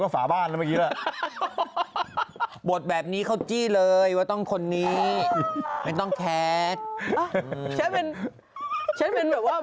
คนแชมป์เนี่ยเหรออย่างน้องแพ้ว่า